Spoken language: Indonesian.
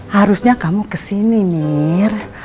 harusnya kamu kesini mir